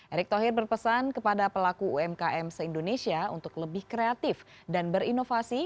erick thohir berpesan kepada pelaku umkm se indonesia untuk lebih kreatif dan berinovasi